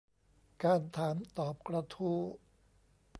การถามตอบกระทู้